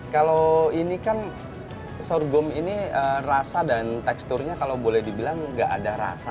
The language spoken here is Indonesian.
kalau ini kan sorghum ini rasa dan teksturnya kalau boleh dibilang nggak ada rasa